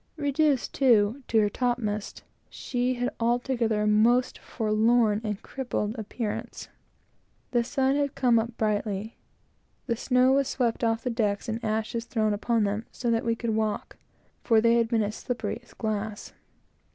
Reduced, too, to her top masts, she had altogether a most forlorn and crippled appearance. The sun had come up brightly; the snow was swept off the decks, and ashes thrown upon them, so that we could walk, for they had been as slippery as glass.